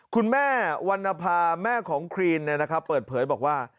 วันนภาแม่ของครีนเปิดเผยบอกว่า